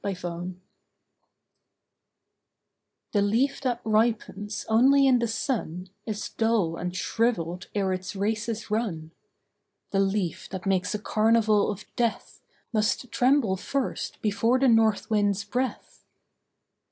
PERFECTION The leaf that ripens only in the sun Is dull and shrivelled ere its race is run. The leaf that makes a carnival of death Must tremble first before the north wind's breath.